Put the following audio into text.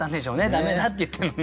駄目だって言ってんのに。